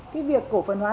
cái việc cổ phần hóa